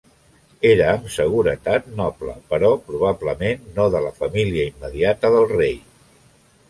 Era, amb seguretat, noble, però probablement no de la família immediata del rei.